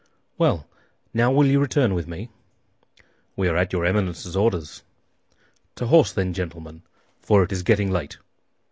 "Well; now will you return with me?" "We are at your Eminence's orders." "To horse, then, gentlemen; for it is getting late."